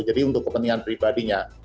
jadi untuk kepentingan pribadinya